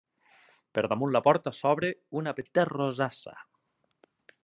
Per damunt la porta s'obre una petita rosassa.